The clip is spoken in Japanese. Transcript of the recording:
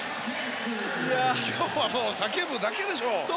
今日は叫ぶだけでしょう。